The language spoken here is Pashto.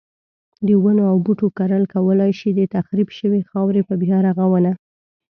د ونو او بوټو کرل کولای شي د تخریب شوی خاورې په بیا رغونه.